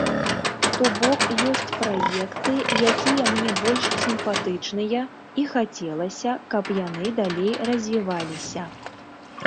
То бок, ёсць праекты, якія мне больш сімпатычныя і хацелася, каб яны далей развіваліся.